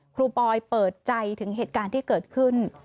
คอยเปิดใจถึงเหตุการณ์ที่เกิดขึ้น